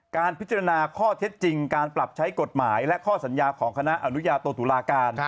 การพิจารณาข้อเท็จจริงการปรับใช้กฎหมายและข้อสัญญาของคณะอนุญาโตตุลาการ